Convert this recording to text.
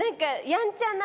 やんちゃな。